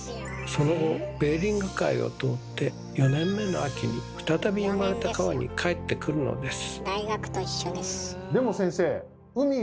その後ベーリング海を通って４年目の秋に再び生まれた川に帰ってくるのです。